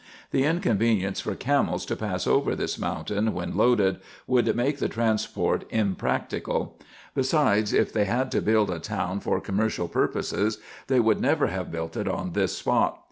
The inconvenience for camels to pass over this mountain, when loaded, would make the transport impracticable ; besides, if they had to build a town for commercial purposes, they would never have built it on this spot.